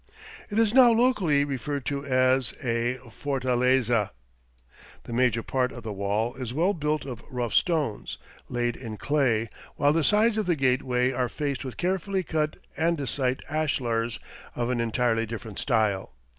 It is now locally referred to as a "fortaleza." The major part of the wall is well built of rough stones, laid in clay, while the sides of the gateway are faced with carefully cut andesite ashlars of an entirely different style.